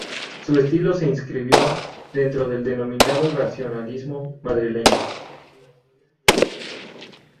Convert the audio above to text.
Su estilo se inscribió dentro del denominado racionalismo madrileño.